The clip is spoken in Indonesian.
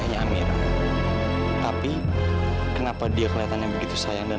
kamu kan masih sakit kakinya